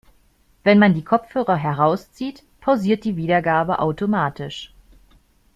Wenn man die Kopfhörer herauszieht, pausiert die Wiedergabe automatisch.